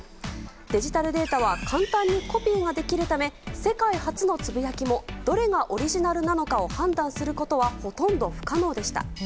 デジタルデータは簡単にコピーができるため世界初のつぶやきもどれがオリジナルなのかを判断することはほとんど不可能でした。